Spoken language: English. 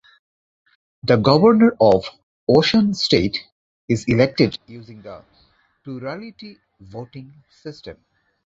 The Governor of Osun State is elected using the plurality voting system.